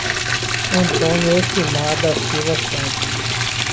Antônio Elcimar da Silva Santos